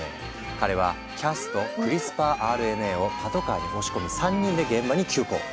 彼はキャスとクリスパーＲＮＡをパトカーに押し込み３人で現場に急行。